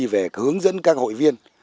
về hướng dẫn các hội viên